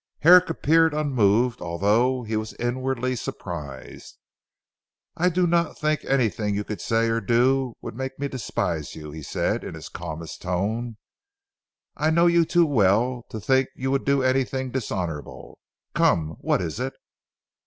Herrick appeared unmoved although he was inwardly surprised. "I do not think anything you could say or do would make me despise you," he said in his calmest tone. "I know you too well to think you would do anything dishonourable. Come what is it?"